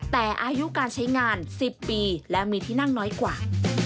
แต่อายุการใช้งาน๑๐ปีและมีที่นั่งน้อยกว่า